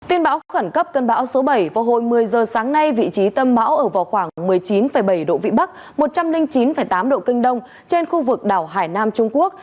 tin bão khẩn cấp cân bão số bảy vào hồi một mươi giờ sáng nay vị trí tâm bão ở vào khoảng một mươi chín bảy độ vĩ bắc một trăm linh chín tám độ kinh đông trên khu vực đảo hải nam trung quốc